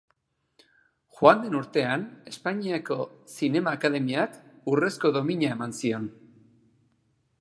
Joan den urtean, Espainiako Zinema Akademiak Urrezko Domina eman zion.